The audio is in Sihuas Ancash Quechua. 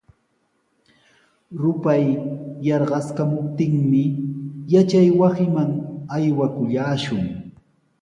Rupay yarqaskamuptinmi yachaywasiman aywakullaashun.